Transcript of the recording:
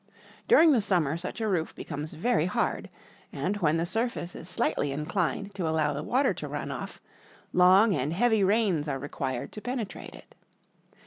During the summer such a roof becomes very hard; and when the surface is shghtly inclined to allow the water to run off, long and heavy rains are required to penetrate it.